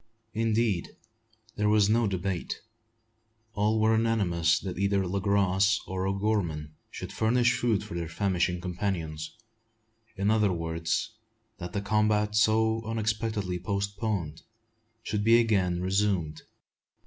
Indeed, there was no debate. All were unanimous that either Le Gros or O'Gorman should furnish food for their famishing companions, in other words, that the combat, so unexpectedly postponed, should be again resumed.